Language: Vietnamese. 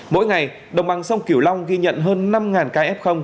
mỗi ngày đồng bằng sông kiểu long ghi nhận hơn năm ca f